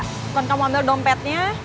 bukan kamu ambil dompetnya